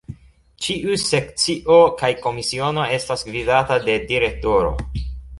Ĉiu Sekcio kaj Komisiono estas gvidata de Direktoro.